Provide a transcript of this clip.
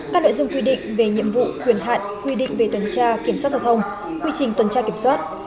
các nội dung quy định về nhiệm vụ quyền hạn quy định về tuần tra kiểm soát giao thông quy trình tuần tra kiểm soát